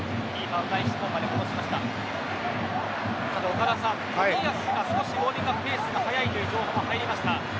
岡田さん、冨安が少しウオーミングアップペースが早いという情報も入りました。